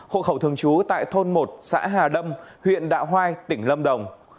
hộ khẩu thường trú tại thôn một xã hà đông huyện đạo hoai tỉnh lâm đồng